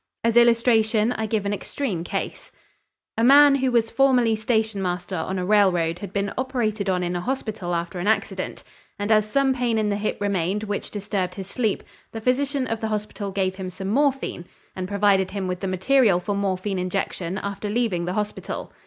As illustration, I give an extreme case. A man who was formerly station master on a railroad had been operated on in a hospital after an accident, and as some pain in the hip remained which disturbed his sleep, the physician of the hospital gave him some morphine and provided him with the material for morphine injection after leaving the hospital.